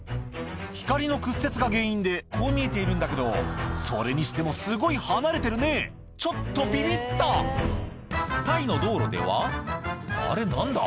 光の屈折が原因でこう見えているんだけどそれにしてもすごい離れてるねちょっとビビったタイの道路ではあれ何だ？